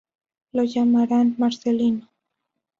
Lo llamarán Marcelino.